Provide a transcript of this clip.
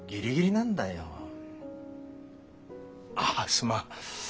ああすまん。